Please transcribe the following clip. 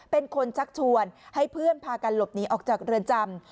เป็นคนชักชวนให้เพื่อนพากันหลบหนีออกจากเรือนจำ